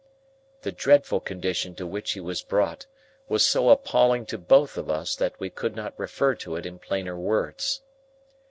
The dreadful condition to which he was brought, was so appalling to both of us, that we could not refer to it in plainer words.